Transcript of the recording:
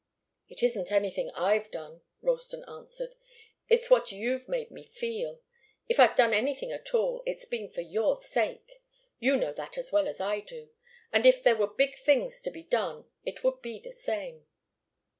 "It isn't anything I've done," Ralston answered. "It's what you've made me feel. If I've done anything at all, it's been for your sake. You know that as well as I do. And if there were big things to be done, it would be the same."